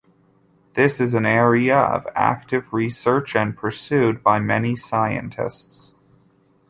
This is an area of active research and pursued by many scientists.